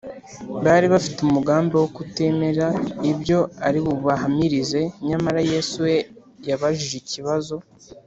bari bafite umugambi wo kutemera ibyo ari bubahamirize nyamara yesu we yababajije ikibazo